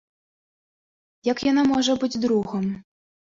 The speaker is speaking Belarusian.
Як яна можа быць другам?